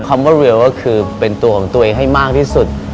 คำว่าเร็วก็คือเป็นตัวของตัวเองให้มากที่สุด